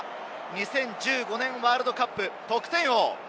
２０１５年ワールドカップ得点王。